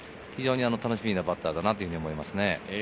楽しみなバッターだなと思います。